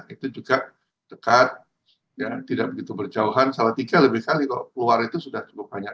itu juga dekat ya tidak begitu berjauhan salah tiga lebih kali kalau keluar itu sudah cukup banyak